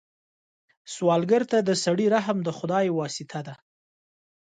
سوالګر ته د سړي رحم د خدای واسطه ده